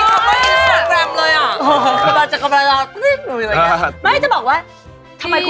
กำลังจะกำลังลาคลึกกลับไปเลยอะ